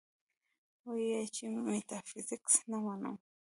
وې ئې چې ميټافزکس نۀ منم -